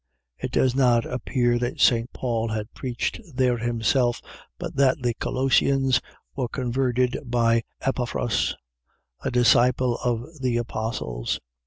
It does not appear that St. Paul had preached there himself, but that the Colossians were converted by Epaphras, a disciple of the Apostles.